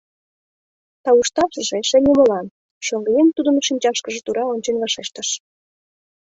— Таушташыже эше нимолан, — шоҥгыеҥ тудын шинчашкыже тура ончен вашештыш.